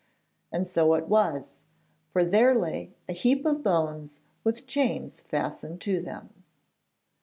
And so it was, for there lay a heap of bones with chains fastened to them.